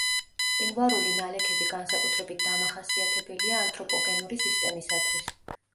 მყინვარული ნალექები განსაკუთრებით დამახასიათებელია ანთროპოგენური სისტემისათვის.